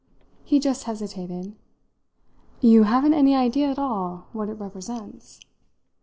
He just hesitated. "You haven't any idea at all what it represents?"